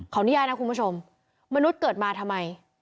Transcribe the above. อนุญาตนะคุณผู้ชมมนุษย์เกิดมาทำไม